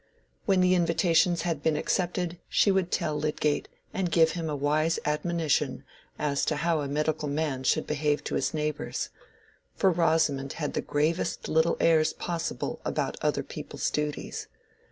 When the invitations had been accepted, she would tell Lydgate, and give him a wise admonition as to how a medical man should behave to his neighbors; for Rosamond had the gravest little airs possible about other people's duties.